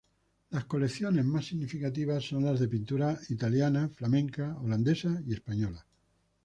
Las colecciones más significativas son las de pintura italiana, flamenca, holandesa y española.